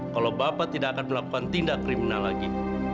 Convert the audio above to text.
kalau bapak tidak akan melakukan tindak kriminal lagi